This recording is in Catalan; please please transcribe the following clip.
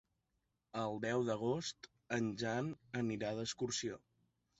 El deu d'agost en Jan anirà d'excursió.